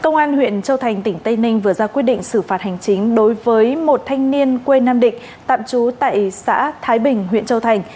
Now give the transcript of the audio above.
công an huyện châu thành tỉnh tây ninh vừa ra quyết định xử phạt hành chính đối với một thanh niên quê nam định tạm trú tại xã thái bình huyện châu thành